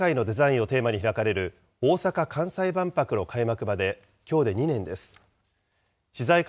いのち輝く未来社会のデザインをテーマに開かれる大阪・関西万博の開催まできょうで２年です。